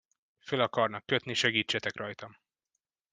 Föl akarnak kötni, segítsetek rajtam!